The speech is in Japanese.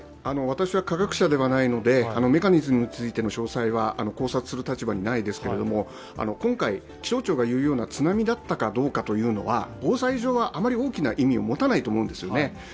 私は科学者ではないので、メカニズムについての詳細は考察する立場にないですが今回、気象庁が言うような津波だったかどうかというのは防災上はあまり大きな意味は持たないと思うんですよね。